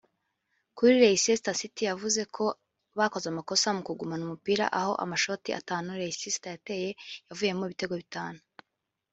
Kuri Leicester City yavuze ko bakoze amakosa mu kugumana umupira aho amashoti atanu Leicester yateye yavuyemo ibitego bitanu